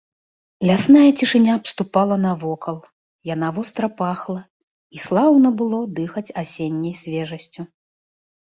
Лясная цішыня абступала навокал, яна востра пахла, і слаўна было дыхаць асенняй свежасцю.